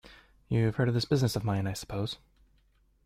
You've heard of this business of mine, I suppose?